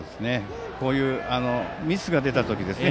こういうミス出た時ですね。